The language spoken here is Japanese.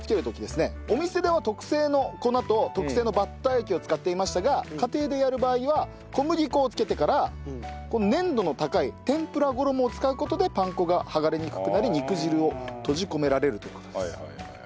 お店では特製の粉と特製のバッター液を使っていましたが家庭でやる場合は小麦粉を付けてから粘度の高い天ぷら衣を使う事でパン粉が剥がれにくくなり肉汁を閉じ込められるという事です。